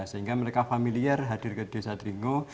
sehingga mereka familiar hadir ke desa dringo